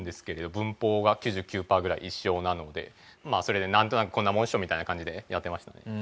文法が９９パーぐらい一緒なのでそれでなんとなくこんなもんでしょみたいな感じでやってましたね。